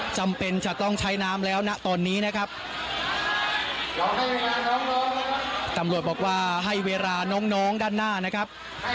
จำเป็นจะต้องใช้น้ำแล้วนะตอนนี้นะครับตำรวจบอกว่าให้เวลาน้องน้องด้านหน้านะครับ